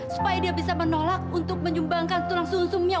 supaya dia bisa menolak untuk menyumbangkan tulang susumnya